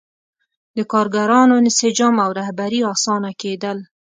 د کارګرانو انسجام او رهبري اسانه کېدل.